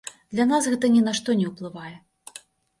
Для нас гэта ні на што не ўплывае.